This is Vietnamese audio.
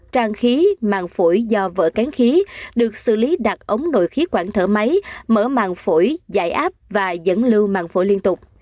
trang khí màng phổi do vỡ cánh khí được xử lý đặt ống nội khí quản thở máy mở màng phổi giải áp và dẫn lưu màng phổi liên tục